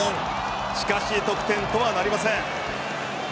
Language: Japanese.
しかし得点とはなりません。